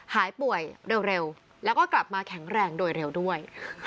หายป่วยเร็วแล้วก็กลับมาแข็งแรงโดยเร็วด้วย